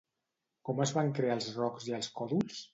Com es van crear els rocs i els còdols?